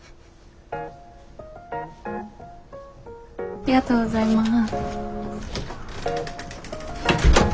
ありがとうございます。